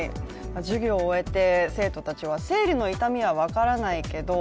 授業を終えて生徒たちは、生理の痛みは分からないけれども